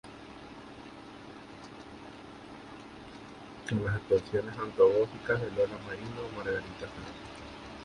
Con las actuaciones antagónicas de Lola Merino y Margarita Sanz.